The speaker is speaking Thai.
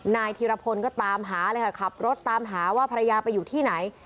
นายธีรพลก็ตามหาเลยค่ะขับรถตามหาว่าภรรยาไปอยู่ที่ไหน